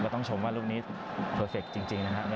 ต้องชมว่าลูกนี้โปรเซคจริงนะครับ